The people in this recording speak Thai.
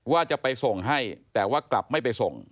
ว่าจะไปส่งให้แต่ว่ากลับไม่ไปส่ง